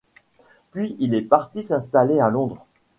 Puis il est parti s’installer à Londres.